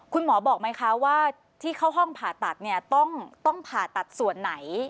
คุณหมอบอกไหมคะว่าที่เข้าห้องผ่าตัดเนี่ยต้องผ่าตัดส่วนไหน